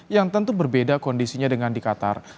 yang tentu berbeda kondisinya dengan di qatar